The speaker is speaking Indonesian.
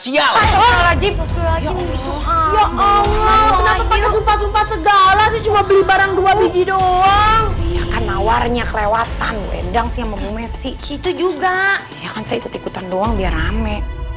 iya kan saya ikut ikutan doang biar rame